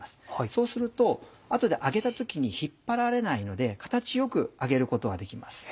そうすると後で揚げた時に引っ張られないので形よく揚げることができます。